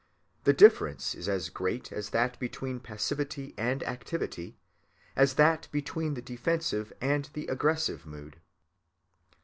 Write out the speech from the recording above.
The difference is as great as that between passivity and activity, as that between the defensive and the aggressive mood.